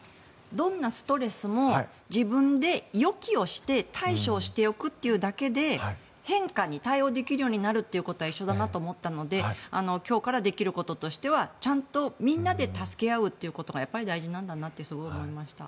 どんなストレスも自分で予期をして対処をしておくというだけで変化に対応できるようになるということは一緒だなと思ったので今日からできることとしてはちゃんとみんなで助け合うということがやっぱり大事なんだなとすごい思いました。